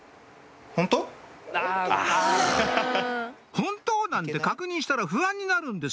「本当？」なんて確認したら不安になるんです